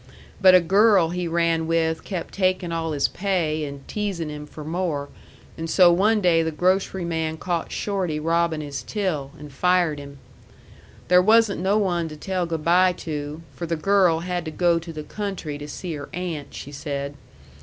But a girl he ran with kept taking all his pay and teasing him for more, and so one day the grocery man caught Shorty robbing his till, and fired him. There wasn't no one to tell good by to, for the girl had to go to the country to see her aunt, she said.